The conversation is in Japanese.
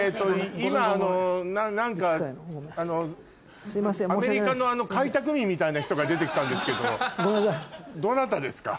今何かアメリカの開拓民みたいな人が出て来たんですけどどなたですか？